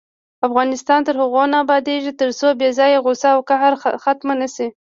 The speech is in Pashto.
افغانستان تر هغو نه ابادیږي، ترڅو بې ځایه غوسه او قهر ختم نشي.